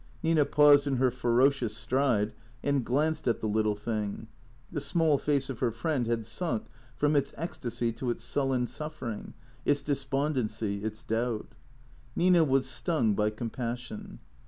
Nina paused in her ferocious stride and glanced at the little thing. The small face of her friend had sunk from its ecstasy to its sullen suffering, its despondency, its doubt. Nina was stung by compassion.